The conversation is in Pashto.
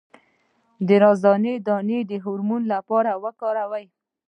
د رازیانې دانه د هورمون لپاره وکاروئ